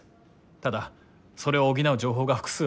ただそれを補う情報が複数ある。